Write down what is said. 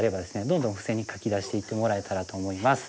どんどん付箋に書き出していってもらえたらと思います。